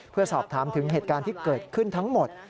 เพื่อสอบถามถึงเหตุการณ์ที่เกิดขึ้นทั้งหมด